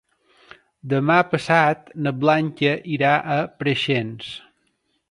Demà passat na Blanca irà a Preixens.